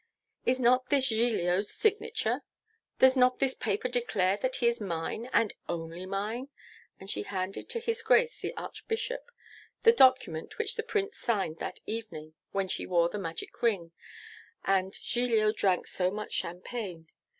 Is not this Giglio's signature? Does not this paper declare that he is mine, and only mine?' And she handed to his Grace the Archbishop the document which the Prince signed that evening when she wore the magic ring, and Giglio drank so much champagne.